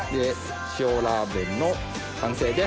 塩ラーメンの完成です。